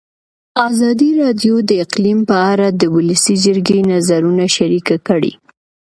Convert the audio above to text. ازادي راډیو د اقلیم په اړه د ولسي جرګې نظرونه شریک کړي.